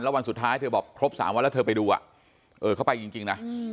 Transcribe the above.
วันสุดท้ายเธอบอกครบ๓วันแล้วเธอไปดูเขาไปจริงนะ